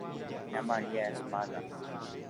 Ña Maria omoneĩkuri chupe.